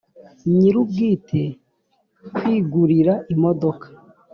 nyir ubwite kwigurira imodoka